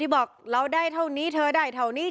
บอกเราได้เท่านี้เธอได้เท่านี้